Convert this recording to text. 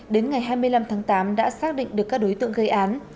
đến ngày hai mươi năm tháng tám đã xác định được các đối tượng gây án